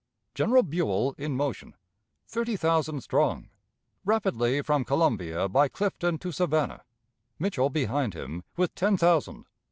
_ "General Buell in motion, thirty thousand strong, rapidly from Colombia by Clifton to Savannah. Mitchell behind him, with ten thousand.